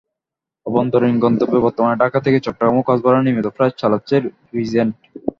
অভ্যন্তরীণ গন্তব্যে বর্তমানে ঢাকা থেকে চট্টগ্রাম ও কক্সবাজারে নিয়মিত ফ্লাইট চালাচ্ছে রিজেন্ট।